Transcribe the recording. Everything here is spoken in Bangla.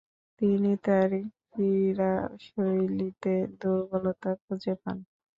তিনি তার ক্রীড়াশৈলীতে দূর্বলতা খুঁজে পান।